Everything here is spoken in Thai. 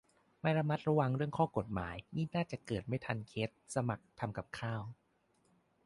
ไม่ระมัดระวังเรื่องข้อกฎหมายนี่น่าจะเกิดไม่ทันเคสสมัครทำกับข้าว